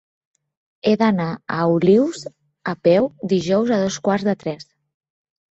He d'anar a Olius a peu dijous a dos quarts de tres.